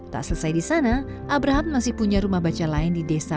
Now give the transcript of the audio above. tak selesai di sana abraham masih punya rumah baca lain di desa